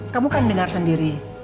kamu kan dengar sendiri